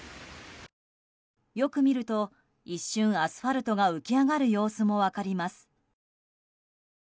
よく見ると、一瞬アスファルトが浮き上がる様子も分かります。